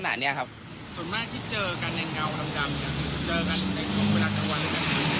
ส่วนมากที่เจอกันในเงาดำจะเจอกันในช่วงเวลาเท่าไหร่ครับ